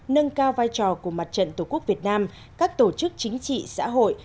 nâng cao vai trò của mặt trận tổ quốc việt nam các tổ chức chính trị xã hội